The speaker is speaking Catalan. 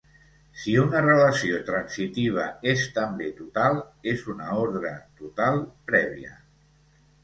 Si una relació transitiva és també total, és una ordre total prèvia.